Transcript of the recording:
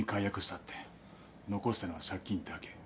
残したのは借金だけ。